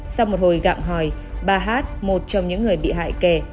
sau một hồi gạm hỏi bà hát một trong những người bị hại kè